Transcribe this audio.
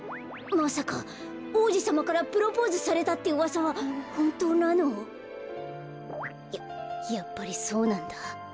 まさかおうじさまからプロポーズされたってうわさはほんとうなの？ややっぱりそうなんだ。